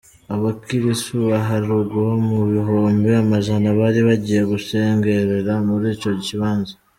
Abakirisu baharugwa mu bihumbi amajana bari bagiye gushengerera muri ico kibanza.